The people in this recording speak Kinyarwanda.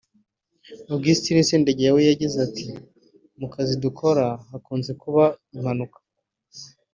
Augustin Sendegeya we yagize ati ”Mu kazi dukora hakunze kuba impanuka